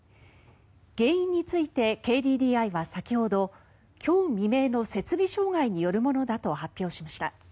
原因についてＫＤＤＩは先ほど今日未明の設備障害によるものだと発表しました。